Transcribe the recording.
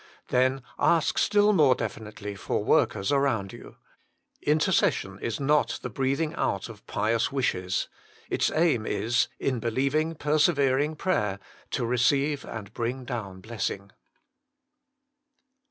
Then ask still more definitely for workers around you. Intercession is not the breathing out of pious wishes ; its aim is, in believing, persevering prayer, to receive and bring down blessing.